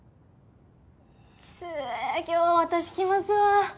つぅ今日私きますわ。